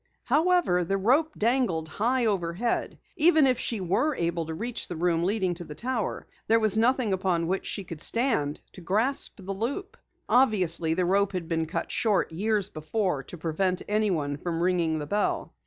However, the rope dangled high overhead. Even if she were able to reach the room leading to the tower, there was nothing upon which she could stand to grasp the loop. Obviously the rope had been cut short years before to prevent anyone from ringing the bell.